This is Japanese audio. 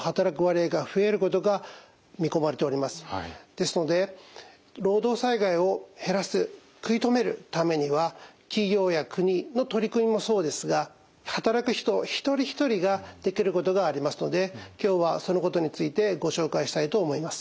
ですので労働災害を減らす食い止めるためには企業や国の取り組みもそうですが働く人一人一人ができることがありますので今日はそのことについてご紹介したいと思います。